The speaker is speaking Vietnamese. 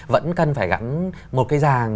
vẫn cần phải gắn một cái ràng